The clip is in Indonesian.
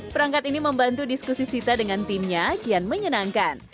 perangkat ini membantu diskusi sita dengan timnya kian menyenangkan